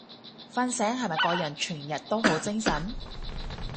瞓醒係咪個人全日都好精神？